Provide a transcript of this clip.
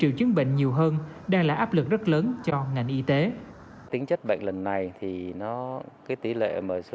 triệu chứng bệnh nhiều hơn đang là áp lực rất lớn cho ngành y tế